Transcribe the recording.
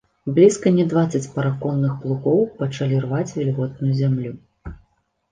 Блізка не дваццаць параконных плугоў пачалі рваць вільготную зямлю.